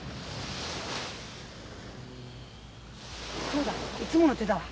そうだいつもの手だわ。